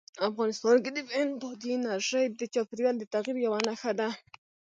افغانستان کې بادي انرژي د چاپېریال د تغیر یوه نښه ده.